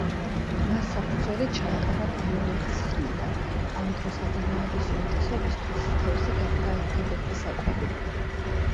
მას საფუძველი ჩაეყარა პალეოლითს ხანიდან, ამ დროს ადამიანების უმეტესობისთვის თევზი გახდა ერთადერთი საკვები.